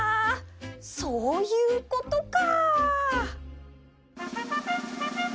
そういうことか！